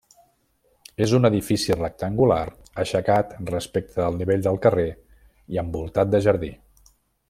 És un edifici rectangular aixecat respecte al nivell del carrer i envoltat de jardí.